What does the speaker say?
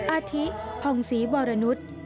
อาธิพองศรีบรณุษย์